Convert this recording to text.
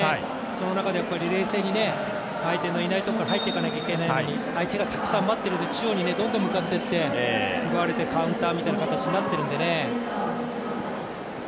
その中でやっぱり冷静に相手のいないところから入っていかないといけないのに相手がたくさん待っている中央にどんどん向かっていって、奪われてカウンターみたいな形になっているんでね。